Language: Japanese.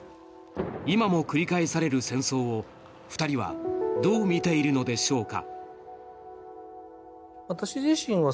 今も繰り返される戦争を、２人はどう見ているのでしょうか。